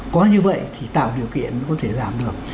có như vậy thì tạo điều kiện mới có thể giảm được